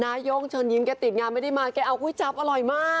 นาย่งเชิญยิ้มแกติดงานไม่ได้มาแกเอาก๋วยจับอร่อยมาก